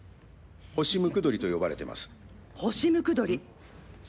「ホシムクドリ」と呼ばれてます。